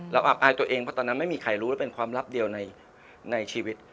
อับอายตัวเองเพราะตอนนั้นไม่มีใครรู้แล้วเป็นความลับเดียวในชีวิต